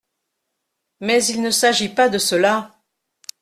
Mais il ne s’agit pas de cela…